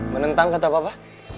menentang kata papa